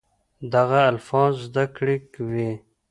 دغه الفاظ زده کړي وي